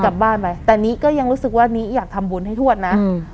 กลับบ้านไปแต่นี้ก็ยังรู้สึกว่านี้อยากทำบุญให้ทวดนะอืม